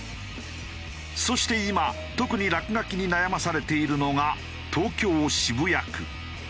そして今特に落書きに悩まされているのが東京渋谷区。